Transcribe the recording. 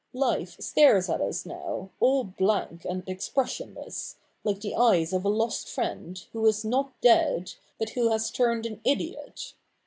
Life stares at us now, all blank and expressionless, like the eyes of a lost friend, who is not dead, but who has turned an idiot.